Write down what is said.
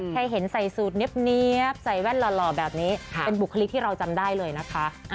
แค่เห็นใส่สูตรเนี๊ยบใส่แว่นหล่อแบบนี้เป็นบุคลิกที่เราจำได้เลยนะคะ